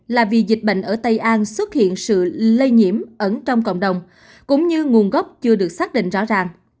là vì dịch bệnh ở tây an xuất hiện sự lây nhiễm ẩn trong cộng đồng cũng như nguồn gốc chưa được xác định rõ ràng